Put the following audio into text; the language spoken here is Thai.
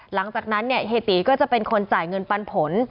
หลังจากนั้นเนี่ยเฮียตีก็จะเป็นคนจ่ายเงินปันผล